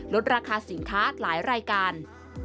ลดราคาสินค้าหลายรายการ